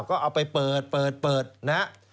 ก็เอาไปเปิดนะ